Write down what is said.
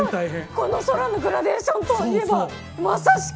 この空のグラデーションといえばまさしく！